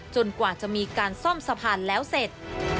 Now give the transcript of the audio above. กว่าจะมีการซ่อมสะพานแล้วเสร็จ